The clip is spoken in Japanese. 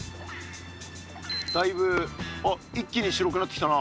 だいぶ一気に白くなってきたな。